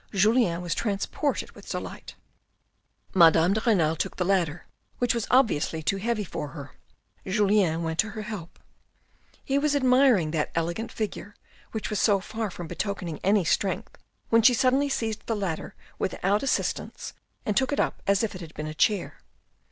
Julien was transported with delight. Madame de Renal took the ladder, which was obviously too heavy for her. Julien went to her help. He was admiring that elegant figure which was so far from betokening any strength when she suddenly seized the ladder without assistance and took it up as if it had been a chair.